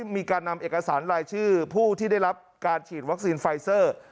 มีการนำเอกสารรายชื่อผู้ที่ได้รับการฉีดวัคซีนไฟเซอร์